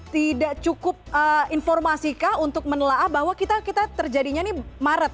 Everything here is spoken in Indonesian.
tidak cukup informasikah untuk menelaah bahwa kita terjadinya ini maret